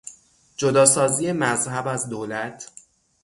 جداسازی مذهب از دولت